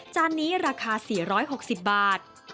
จานนี้ราคา๔๖๐บาท